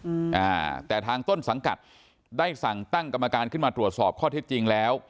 อืมอ่าแต่ทางต้นสังกัดได้สั่งตั้งกรรมการขึ้นมาตรวจสอบข้อเท็จจริงแล้ว